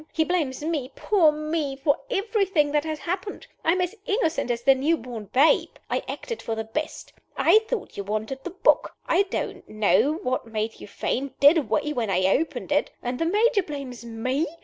"He blames me poor Me for everything that has happened. I am as innocent as the new born babe. I acted for the best. I thought you wanted the book. I don't know now what made you faint dead away when I opened it. And the Major blames Me!